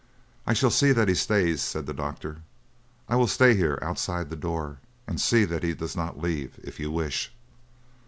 "I shall see that he stays," said the doctor. "I will stay here outside the door and see that he does not leave, if you wish."